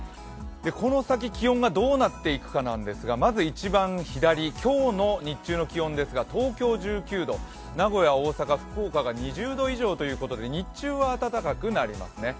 この先、気温がどうなっていくかなんですが、まずは一番左、今日の日中の気温ですが、東京１９度名古屋、大阪、福岡が２０度以上ということで、日中は暖かくなりますね。